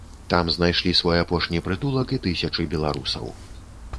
Там знайшлі свой апошні прытулак і тысячы беларусаў.